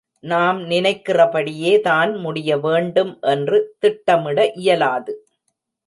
நாம் நினைக்கிறபடியே தான் முடியவேண்டும் என்று திட்டமிட இயலாது.